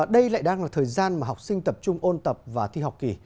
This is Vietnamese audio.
đây lại đang là thời gian mà học sinh tập trung ôn tập và thi học kỳ